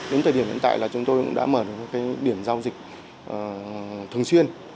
đúng thời điểm hiện tại là chúng tôi cũng đã mở được những điểm giao dịch thường xuyên